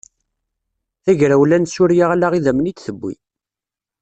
Tagrawla n Surya ala idammen i d-tewwi.